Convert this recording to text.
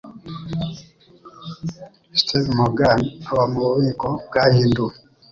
Steve Morgan aba mu bubiko bwahinduwe